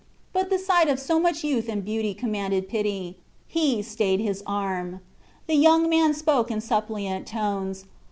But the sight of so much youth and beauty commanded pity. He stayed his arm. The young man spoke in suppliant tones.